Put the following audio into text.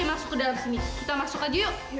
masuk ke dalam sini kita masuk aja yuk